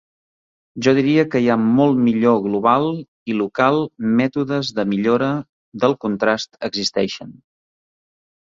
Jo diria que hi ha molt millor global i local mètodes de millora del contrast existeixen.